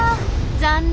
残念。